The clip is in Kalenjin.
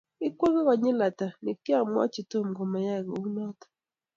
Ikwong'e konyil ata ni kiamwochi Tom komayai kou notok.